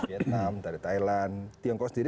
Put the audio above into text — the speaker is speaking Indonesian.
vietnam dari thailand tiongkok sendiri